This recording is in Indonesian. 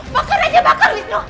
bakar aja bakar wisnu